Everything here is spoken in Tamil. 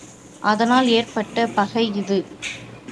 அதனால் ஏற்பட்ட பகை இது.